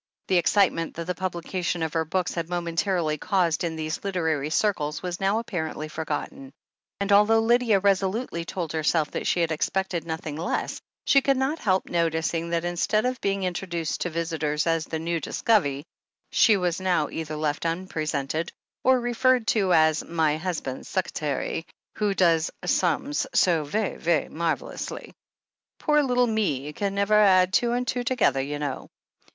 The excitement that the publication of her book had momentarily caused in these literary circles was now apparently forgotten, and although Lydia resolutely told herself that she had expected nothing less, she could not help noticing that instead of being intro duced to visitors as the new discov'ey, she was now either left unpresented, or referred to as "my husband's secreta'y, who does sums so ve'y, ve'y marvellously. Poor little me can never add two and two together, you know.